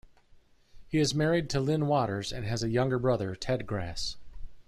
He is married to Lynne Waters and has a younger brother, Ted Grass.